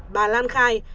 bà lan khai